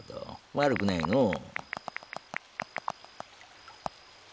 悪くないのう。